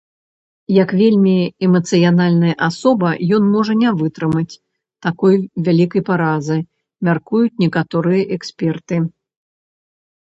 Як вельмі эмацыянальная асоба, ён можа не вытрымаць такой вялікай паразы, мяркуюць некаторыя эксперты.